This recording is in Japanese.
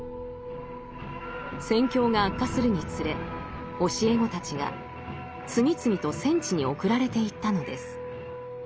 戦況が悪化するにつれ教え子たちが次々と戦地に送られていったのです。